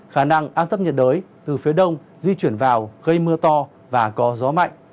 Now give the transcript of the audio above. khả năng áp thấp nhiệt đới từ phía đông di chuyển vào gây mưa to và có gió mạnh